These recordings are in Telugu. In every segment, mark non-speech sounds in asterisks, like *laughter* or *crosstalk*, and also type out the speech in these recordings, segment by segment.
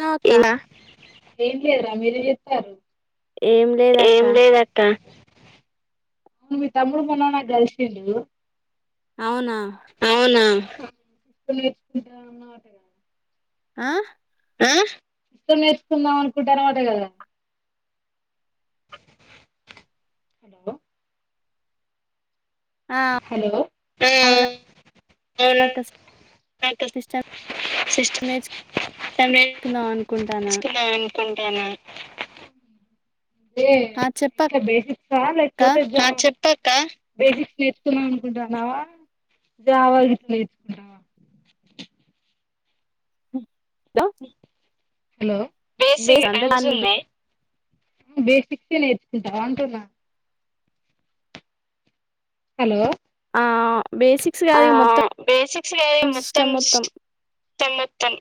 హలో అక్క ఏం లేదురా మీరెం చేస్తార్రు. ఏం లేదక్క ఏం లేదక్క మీ తమ్ముడు మొన్న నాకు కలిసిండు అవునా *unintelligible* ఆ సిస్టమ్ నేర్చుకుందాం అనుకుంటాన్నవట కదా హలో ఆ హలో అవునా అక్క సిస్టమ్ సిస్ట్ *unintelligible* నేర్చుకుందాం అనుకుంటానా నేర్చు కుందాం ఆ కుంటున్న ఆ చెప్పు బేసిక్స్ నేర్చుకుందాం అనుకుంటున్నావా జావా గిట్ల నేర్చుకుంటావా *inaudible* హలో హలో బేసిక్స్ దాన్ని నెర్చుకుంటవ అంటున్నా హలో ఆ బేసిక్స్ ఆ కాదు ఇగ మొత్తం బేసిక్స్ లేవ్ మొత్తం సిస్ట్ సిస్టమ్ మొత్తం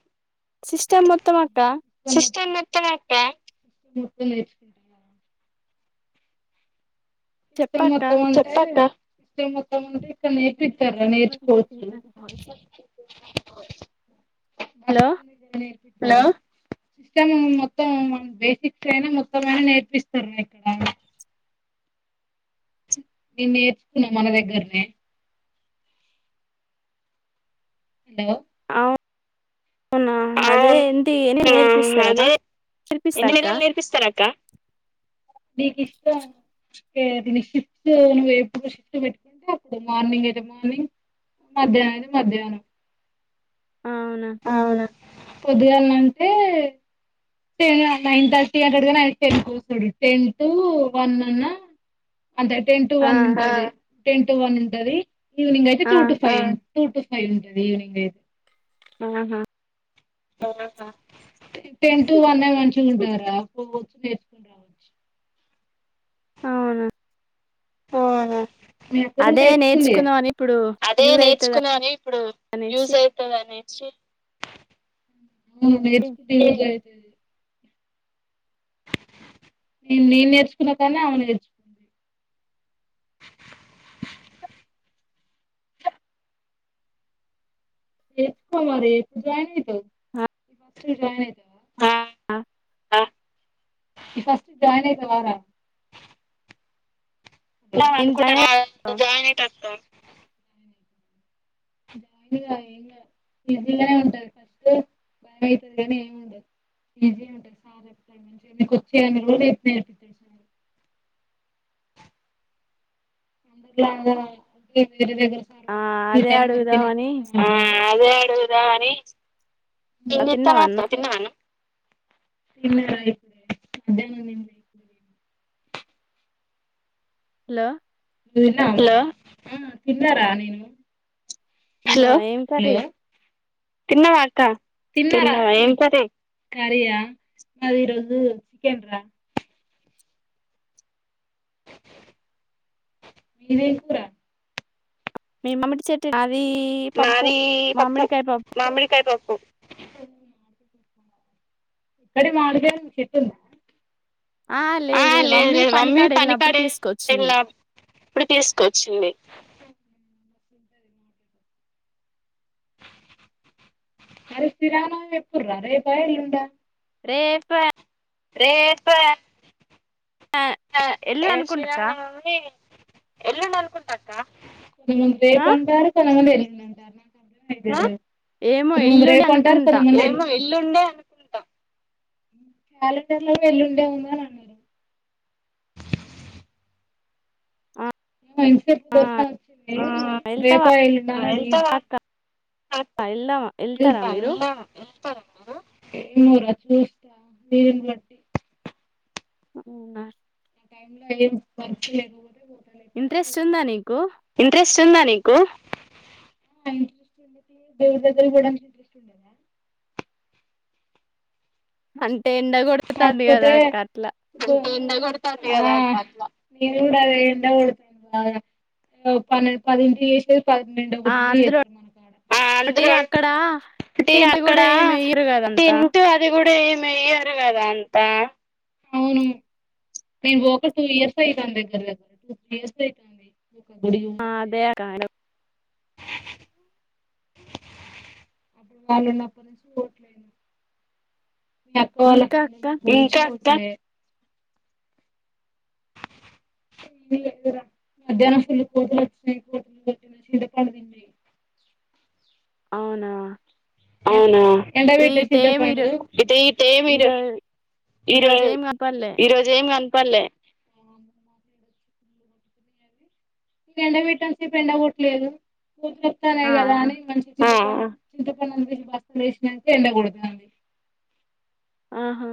సిస్టమ్ మొత్తం అక్క సిస్టమ్ మొ గుర్తులేదు చెప్పక్క చెప్పు అక్క సిస్టమ్ నేర్పిత్తరా నేర్చుకోవచ్చు. హలో హలో సిస్టమ్ మొత్తం బేసిక్స్ అయినా మొత్తమయినా నేర్పిస్తారు. ఇక్కడ నేను నేర్చుకున్నా మన దగ్గరనే హలో అవునా అదే అవును ఏంటి ఆ నేర్పిస్తారా నేర్పిస్తాక్క క నీకు ఇష్టం తే దిని షిఫ్ట్ నువ్వు ఏ షిఫ్ట్ పెట్టుకుంటే అప్పుడు మార్నింగ్ అయితే మార్నింగ్ మధ్యాహ్నం అయితే మధ్యాహ్నం అవునా అవునా పొద్దుగాన్నంటే టెన్ నైన్ థర్టీ అంటడ్గాని ఆయన టెన్కు పోతాడు టెన్ టు వన్ అన్నా అంతే టెన్ టు ఆ వన్ ఉంటది టెన్ టు వన్ ఉంటది ఈవినింగ్ అయితే ఆ two to five two to five ఉంటది. ఈవినింగ్ ఐతే ఆహా ఆహా టెన్ టు వన్ మంచిగాంటారా పోవచ్చు నేర్చుకుని రావచ్చు అవును ఆవును అదే నేర్చుకుంది నేర్చుకుందామని ఇప్పుడు అదే యూజ్ అయితది నేర్చుకున్నాను ఇప్పుడు యూజ అనేసి అవుతుందిని *unintelligible* న నేను నేర్చుకున్నా కానీ అను నేర్చుకుంది ఏ చెప్పు మరి ఏ పూజాయి న త ఆ రాదవా ఈ ఫస్ట్ జాయిన్ అయితే వారా నేను అనుకుంట జాయిన్ అయ్యా జాయిన్యిట్ా ఇ ఉంట క బాతేనీ ఏ ఉంట *unintelligible* అందరిలాగా అ వేరే దగ్గర సార్ ఆ వాళ్ళ ఈ అదే టైమ్ వరకే అడుగుదామని నేర్పిస్తా అదే అడుగుదా అని తిన్నావా నిన్నత్తనత అన్నం తిన్నాను తన్నయితే మధ్యాహ్ం నియి హలో హలో తిన్నారా నేను హలో తిన్నావా ఏమీ కర్రీ తిన్నవా అక్క ఏమీ కర్రీ మది చికెన్ మీదే కూర మీ మామడీ చెట్టు అది పప్పు మాది పప్పు మామిడికాయ పప్పు మామిడికాయ పప్పు ఇక్కడే మాడుద చెట్టుంది ఆ లేదు లేదు మమ్మీ పనికాడే వెళ ఇప్పుడు తీసుకొచ్చింది అరథిరాన ఎప్పుడు అరే పయర్లుండా రేపు రేపు ఆ ఎల్లుండి అనుకుంటా అక్క శ్రీరామ్ ఎలు నల్కుంట అక్క ముందు ఆ పేర్పుంటారు కొన తెరిగిందంటారు నాకు ఏమో పంతముందు ఎల్లుండి రేపు ఉంటారు అనుకుంటా కొంతంది అనుకుంటాం కాలండర్లో వెళ్లుండవున్న ఆ మంచిసేప్పు ఆ, దర్శన వచ్చింది వెళ్తావా రేపా వెళ్ళిన *unintelligible* వెళ్దాం వెళ్తారా మీరు ఇన్నూరు చ చూస్తా నని బట్టి అవు టై లో ఏం వర్క్ లేదు ర ఇంట్రెస్ట్ ఉందా నీకు నీకు ఇంట్రెస్ట్ ఉండేది దేవురి దగ్గర కూడానికి ఇంట్రెస్ట్ ఉండేది అంటే ఎండ కొడుతుంది కదా అక్క అట్లా నను కూడా ఎతా పె పదింటికి చేసేది పెండు ఆ ఒకటింటి అందులో చేస్తారు మనకు ఒకటి అందు్ర అక్కడ టెంట్ అక్కడ కూడా ఏమి ఎయ్యరు కదంతా తింటూ అది కూడా అే ఏమియ్యరు కదా అంతా అవును మే బక్క టూ ఇయర్స్ అవుతాంది దగ్గర దగ్గర టూ త్రీ ఇయర్స్ అవుతుంది కా గుడి ఆ, అదే అక్క అడు వాళ నా ప శ వట్లే ఇంకా అక్క *unintelligible* *inaudible* మధ్యానం ఫుల్ కోతులు *unintelligible* అవునా అవునా ఎండ బెట్టిన టీటే చింత మీరు పండు ఈరో ఈరో ఈరోజ ఈరోజు ఏం కనపల్లే ఈరోజు ఏమి కనపలే ఇక ఎండ పెట్టాం సేపు ఎండ కొట్టలేదు ఆ *unintelligible* చింత పండు బస్త వేసినే ఎండకూడతుడి ఆహా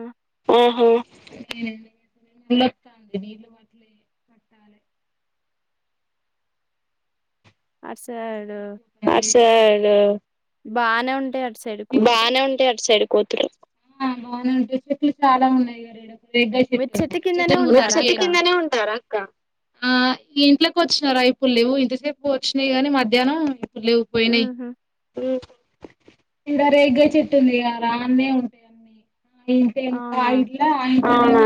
*inaudible* అటు సైడ్ *unintelligible* బానే ఉంటాయి అ ఇ బాగానే ఉంటాయి అటు సైడ్ కూతురు బాలు చాలా ఉన్నాయి మీరు చెట్టు *unintelligible* కిందనే ఉంటారా చెట్టు అక్క కిందనే ఉంటారా ఆ ఇంట్లోకి వచ్చినారా అ ఇపుడు లేవు ఇంతసేపు వచ్చినాయి గాని మధ్యాహ్నం ఎప్పుడు లేవు పోయినాయి ఉహు ఇంద రేగాయి చెట్టుంది క అన్నే ఉంటాయిన్నీ ఇంటి ఇంకా అవునా డ్లా అవునా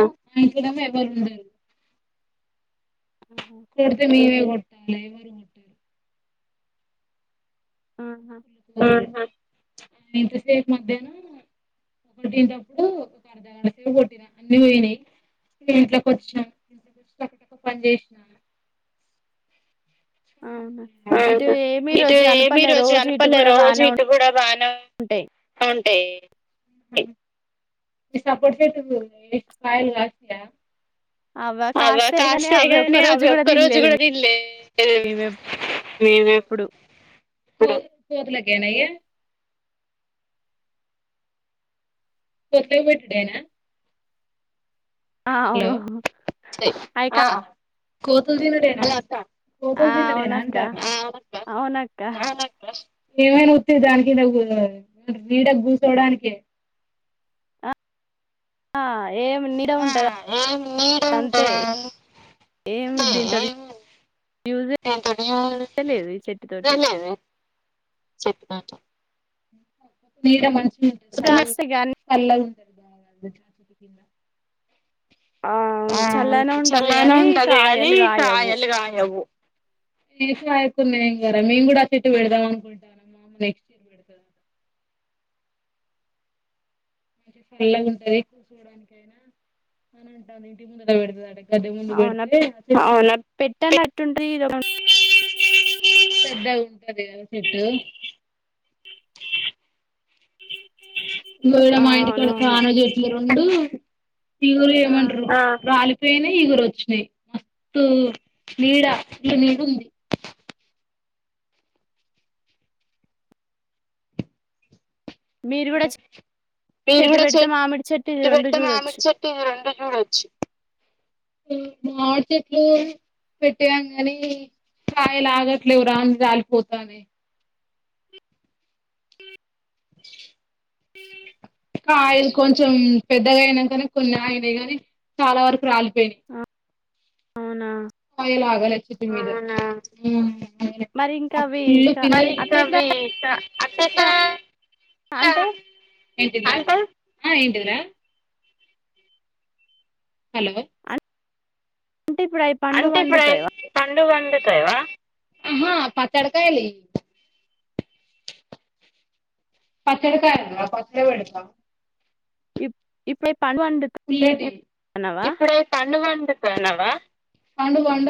మ్మ్. కొడుతే మ మీమే కొట్టాల ఎవరు కొట్టరు ఆహా *unintelligible* ఒకటి తేప్పుడు ఒక అర్ధ గంట సేపు కొట్టిన అన్ని పోయినాయి ఇ ఇంట్లోకి వచ్చినాను ఇట్కి వచ్చి ఒకక్కటిక్క పని చేసినాను అవునా ఇటు అవు ఏమి ఇటు రోజు ఏమిీ కనపల్లే రోజు ఇటు కనపలే కూడా రోజు బానే ఇటు కూడా బాగా ఉంటాయి అ ఈ సాపట్ చే కాయలుస్ అవ కాస్తాయి కాని కాస్త అవి ఒక్క హగానే అవ రోజు కూడా ఒక్క రోజు తినలేదు కూడా తిల్లే మేము ఎప్పుడు కో కోతులగేనా కొత్త పెట్డేనా ఆ అవును కా కోతుదిినే ఆ అవునక్క అవునక్క *unintelligible* ఏమైనా వత్ దానికి ను్వు నీడ కూచోడానినికి ఏమి నీడ ఆ ఉంటుంద ఏం నీడ అంతే ఉంటదా ఏమి దనింతడి *unintelligible* *unintelligible* చెట్టు తోటి సరి బా చాంద కాస్తాయి కానీ ఆ చల్లనే ఉంటది చాలానే గాని ఉంటది కాగానీ కాయలు కాయవు కాయలు కాయవు ఏస అయకుందిం కారా మేం కూడా చెట్టు వెడదాం అనుకుంటానమ్మా నెక్స్ట్ ఇయర్ ఎతు మంచి ఫల్లే ఉంటది కూర్చోడానిక అైనా అని ఉంటుంది ఇంటి ముందుగా పెడతుంది అ గద్దె ముందు అవునా పెడితే అవునా పెద్ద పెట్టనట్టుంటది ఇది ఒక ఉంటంది సిట్ గడ ఆ మా ఇంటికాడ అవునవును కాను చెట్లు ర ఉండు తీవరు ఆ ఏమండాల ేనే ఈగురు వచ్చినాయి మస్తు నీడ ఇల నీడు ఉంది మీరు కూడా మీరు చెట్టు కూడా పెడితే చెట్ మామిడి చెట్టు ఇది రెండు ఇట్పడుతే మామిడి చూడొచ్చు చెట్ ర చెట్లు పెట్టేవాం నీ *unintelligible* కాయలు ఆగట్లేదు రాలిపోతున్నాయి కాయలు కొంచెం పెద్దగా అయినా కానీ కొన్ని ఆయనయి కానీ చాలా వరకు రాలిపోయినాయి అవునా అవున *unintelligible* మరి ఇంకా అవి ఫులు క పిాల అట్ట కావ ఎట్లా అసే *unintelligible* అంతే ఏంటి ఏంటిరా *unintelligible* హలో అంటే ఇప్పుడు అవి పండు అంటే ఇప్పుడు పండుతాయి పండు వడు ఆహా పచ్చడి ఇయ్యి పచ్చడికాారుంద పచ్చడి పెడతా ఈ ఇప్పి ఇప్పుడ పంగంన్నావా పడుగండ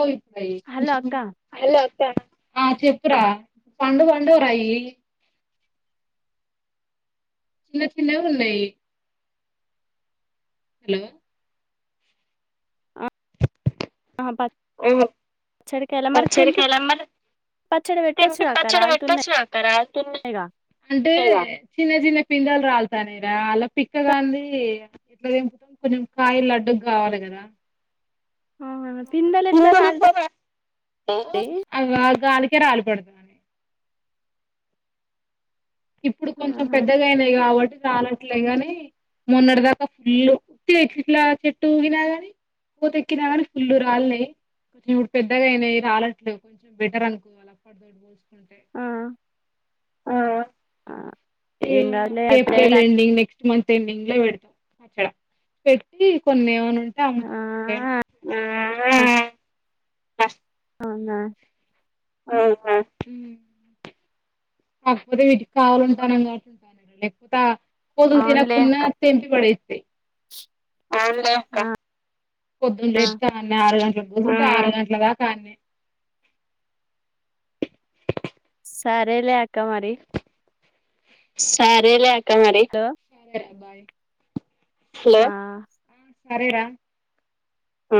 హలో అక్క *unintelligible* హలో ఆ చెప్పురా పండు పండుగరాయి చిన్న చిన్నవున్నాయి హలో ఆహా ఓహో పచ్చడికాయలా మరి పచ్చడ తెంపి కాయల మల్ల పచ్చడి తెంపి పెట్టొచ్చుగా అక్క పచ్చడి పెట్టొచ్చు రాలుతున్నాయిగా కదా అక్క మరి పింలు రాలతానేరా అలా పిక్కగాంది ఇట్లా ఏంకుంట కొంచెం కాయ లడ్డుకు కావాలి కదా హలో అవునా ఎట్లా పిందెలు రాలుతాయి ఉన్నాయి ఆ గాలికి రాలిపోతానాయి *unintelligible* ఇప్పుడు కొంచెం ఆహా పెద్దగాయినా కాబట్టి రాలట్లే గాని మొన్నటిదాకా దాకా ఫుల్ వచ్చ ఇట్లా చెట్టు ఊగినా ని ఉదయ్కిని గని ఫుల్ రాలినయి కొంచెం ఇప్పుడు పెద్దగా అనావి రాలట్లే కొంచెం బెటర్ అనుకోవ అప్పటితో పోల్ ఆ ఆ ఆ ఏం కాదులే ఇప్పుడే April ending next month ending పెడతాం పచ్చడ పెట్టి కొన్ని ఏమైనా ఆ తక ఉ అవునా ఆఅఉ కాకపోతే వీటికి కావలు ఉంటానని కాబట్టి ఉంటాన లేకపోతే కోతులు తినకు అవునులే పోయినా అక్క తెంపీ పడ అవునుగా అక్క పొద్దున లేత ఆరు గంటలకు ఆరు గంటల దాకా అన్ని సరేలే అక్క మరి సరేలే అక్క మరి హలో ఆ సరే రా అ